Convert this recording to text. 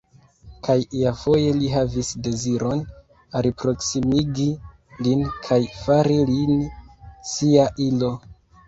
Kaj iafoje li havis deziron alproksimigi lin kaj fari lin sia ilo.